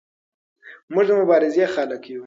موږ د مبارزې خلک یو.